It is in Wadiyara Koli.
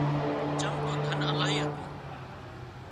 چم تو ڌن الاهي هتون